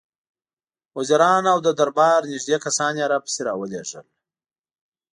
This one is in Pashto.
وزیران او د دربار نېږدې کسان یې راپسې را ولېږل.